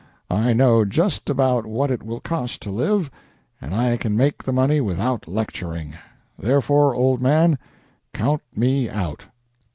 I know just about what it will cost to live, and I can make the money without lecturing. Therefore, old man, count me out."